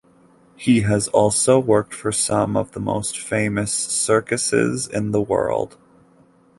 He has also worked for some of the most famous circuses in the world.